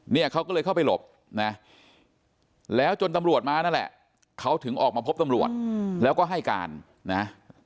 เนี่ยเขาก็เลยเข้าไปหลบนะแล้วจนตำรวจมานั่นแหละเขาถึงออกมาพบตำรวจแล้วก็ให้การนะ